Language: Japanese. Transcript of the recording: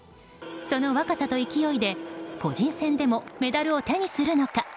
その若さと勢いで、個人戦でもメダルを手にするのか。